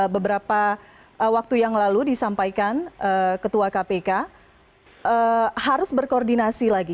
beberapa waktu yang lalu disampaikan ketua kpk harus berkoordinasi lagi